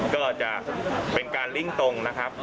ก็จะเป็นการลิงก์ตรงนะครับ